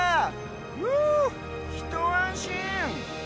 ふぅひとあんしん！